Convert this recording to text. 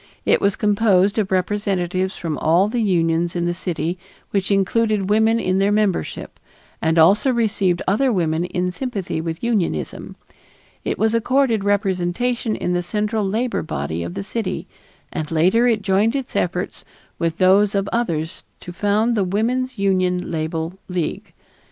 It was composed of representatives from all the unions in the city which included women in their membership and also received other women in sympathy with unionism. It was accorded representation in the central labor body of the city, and later it joined its efforts with those of others to found the Woman's Union Label League.